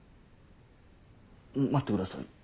待ってください。